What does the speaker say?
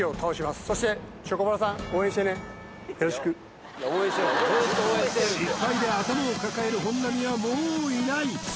よろしく失敗で頭を抱える本並はもういない